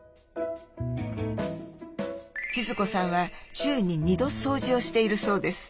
千壽子さんは週に２度掃除をしているそうです。